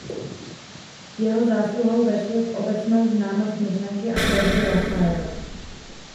Jeho zásluhou vešly v obecnou známost myšlenky a kresby Raffaela.